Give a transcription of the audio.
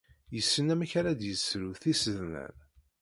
Yessen amek ara d-yessru tisednan.